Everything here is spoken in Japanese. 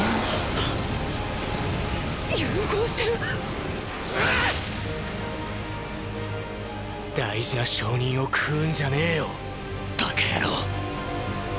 融合してる⁉大事な証人を食うんじゃねえよ馬鹿野郎。